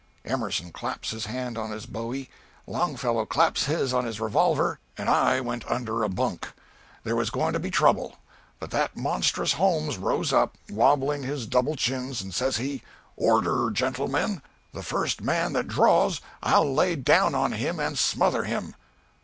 Emerson claps his hand on his bowie, Longfellow claps his on his revolver, and I went under a bunk. There was going to be trouble; but that monstrous Holmes rose up, wobbling his double chins, and says he, 'Order, gentlemen; the first man that draws, I'll lay down on him and smother him!'